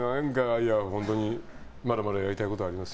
本当にまだまだやりたいことはありますよ。